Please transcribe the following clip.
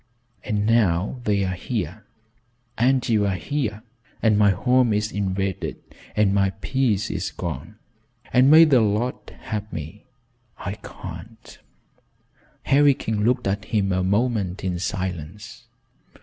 And now they're here, and you're here, and my home is invaded, and my peace is gone, and may the Lord help me I can't." Harry King looked at him a moment in silence.